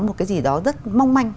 một cái gì đó rất mong manh